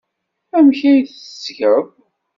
Amek ay t-tettgeḍ?